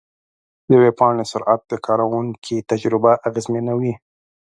د ویب پاڼې سرعت د کارونکي تجربه اغېزمنوي.